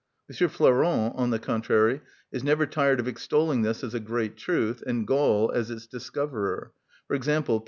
M. Flourens, on the contrary, is never tired of extolling this as a great truth and Gall as its discoverer; for example, p.